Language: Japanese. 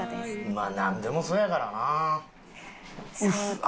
まあなんでもそうやからな。